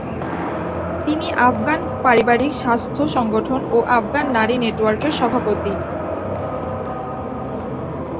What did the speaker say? তিনি আফগান পারিবারিক স্বাস্থ্য সংগঠন ও আফগান নারী নেটওয়ার্কের সভাপতি।